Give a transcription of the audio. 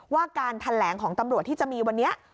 การแถลงของตำรวจที่จะมีวันนี้